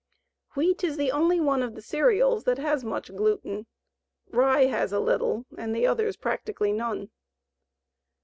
Wheat is the only one of the cereals that has much gluten; rye has a little and the others practically none.